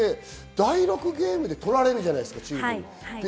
第６ゲームで取られるじゃないですか、中国に。